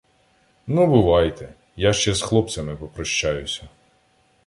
— Ну, бувайте! Я ще з хлопцями попрощаюся.